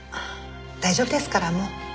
大丈夫ですからもう。